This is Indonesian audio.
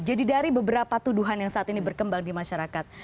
jadi dari beberapa tuduhan yang saat ini berkembang di masyarakat